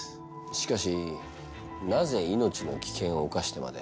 しかしなぜ命の危険を冒してまで。